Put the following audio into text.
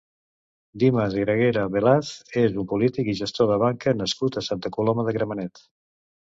Dimas Gragera Velaz és un polític i gestor de banca nascut a Santa Coloma de Gramenet.